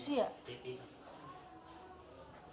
gak kan manusia